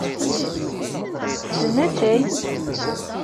Ttessen atay?